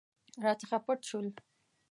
راڅخه پټ شول.